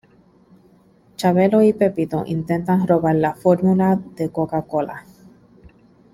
Chabelo y Pepito intentan robar la Formula de Coca Cola.